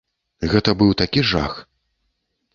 Гэта быў такі жах.